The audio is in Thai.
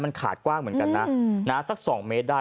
มันขาดกว้างเหมือนกันนะสัก๒เมตรได้